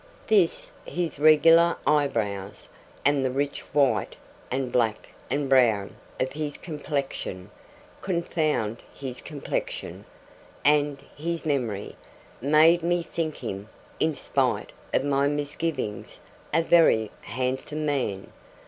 This, his regular eyebrows, and the rich white, and black, and brown, of his complexion confound his complexion, and his memory! made me think him, in spite of my misgivings, a very handsome man.